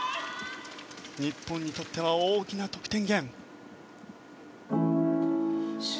日本にとっては大きな得点源。